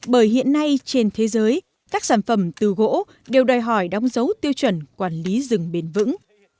bởi hiện nay trên thế giới các sản phẩm từ gỗ đều đòi hỏi đóng dấu tiêu chuẩn quản lý rừng bền vững